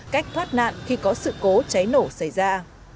cách thoát nạn khi có sự cố cháy nổ xảy ra